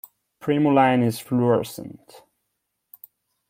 Primuline is fluorescent.